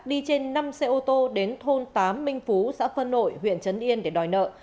đi trên năm xe ô tô đến thôn tám minh phú xã phân nội huyện trấn yên để đòi nợ